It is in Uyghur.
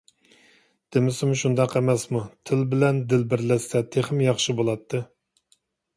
دېمىسىمۇ شۇنداق ئەمەسمۇ، تىل بىلەن دىل بىرلەشسە تېخىمۇ ياخشى بولاتتى.